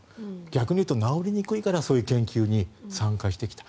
逆に言うと、治りにくいからそういう研究に参加してきた。